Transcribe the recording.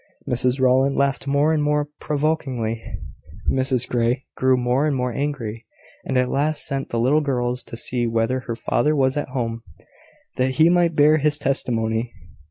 Mrs Rowland laughed more and more provokingly: Mrs Grey grew more and more angry; and at last sent the little girls to see whether their father was at home, that he might bear his testimony.